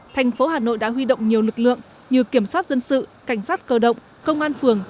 thành phố hà nội đã huy động nhiều lực lượng như kiểm soát dân sự cảnh sát cơ động công an phường